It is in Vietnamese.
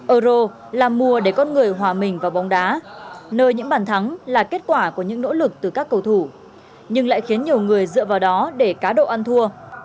euro là mùa để con người hòa mình vào bóng đá nơi những bàn thắng là kết quả của những nỗ lực từ các cầu thủ nhưng lại khiến nhiều người dựa vào đó để cá độ ăn thua